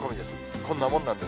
こんなもんなんです。